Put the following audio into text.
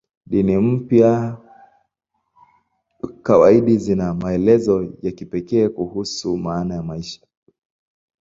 Dini mpya kawaida zina maelezo ya kipekee kuhusu maana ya maisha.